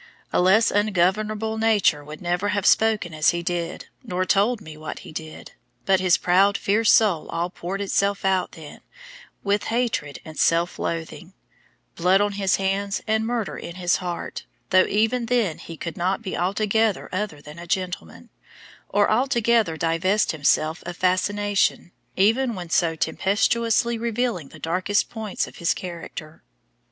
A less ungovernable nature would never have spoken as he did, nor told me what he did; but his proud, fierce soul all poured itself out then, with hatred and self loathing, blood on his hands and murder in his heart, though even then he could not be altogether other than a gentleman, or altogether divest himself of fascination, even when so tempestuously revealing the darkest points of his character.